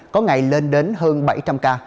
có ngày lên đến hơn bảy trăm linh ca